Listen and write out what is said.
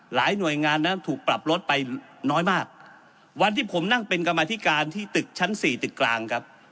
หน่วยงานนั้นถูกปรับลดไปน้อยมากวันที่ผมนั่งเป็นกรรมธิการที่ตึกชั้นสี่ตึกกลางครับ